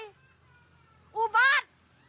กูบาด